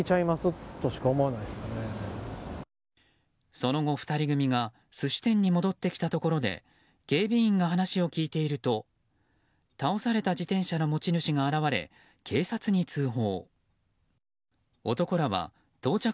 その後、２人組が寿司店に戻ってきたところで警備員が話を聞いていると倒された自転車の持ち主が現れ警察に通報。